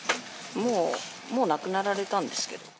もう、もう亡くなられたんですけど。